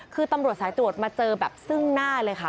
คือตำรวจสายตรวจมาเจอแบบซึ่งหน้าเลยค่ะ